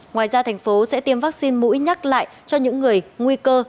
ngoài ra thành phố sẽ tiêm vaccine mũi nhắc lại cho những người nguy cơ